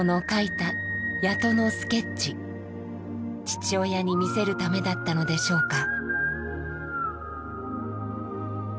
父親に見せるためだったのでしょうか。